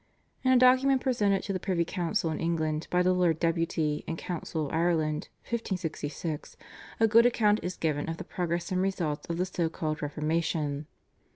" In a document presented to the privy council in England by the Lord Deputy and council of Ireland (1566) a good account is given of the progress and results of the so called Reformation.